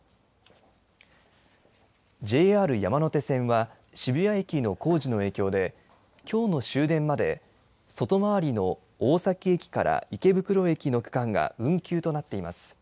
ＪＲ山手線は、渋谷駅の工事の影響で、きょうの終電まで、外回りの大崎駅から池袋駅の区間が運休となっています。